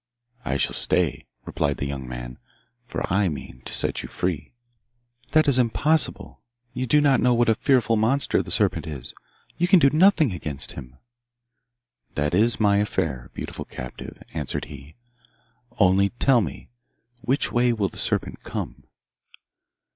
'I shall stay,' replied the young man, 'for I mean to set you free.' 'That is impossible. You do not know what a fearful monster the serpent is; you can do nothing against him.' 'That is my affair, beautiful captive,' answered he; 'only tell me, which way will the serpent come?